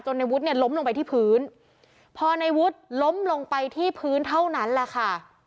ในวุฒิเนี่ยล้มลงไปที่พื้นพอในวุฒิล้มลงไปที่พื้นเท่านั้นแหละค่ะ